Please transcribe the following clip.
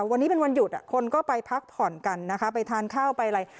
วันนี้เป็นวันหยุดคนก็ไปพักผ่อนกันนะคะไปทานข้าวไปอะไร